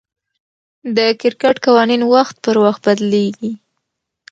د کرکټ قوانين وخت پر وخت بدليږي.